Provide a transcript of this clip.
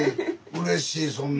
うれしいそんな。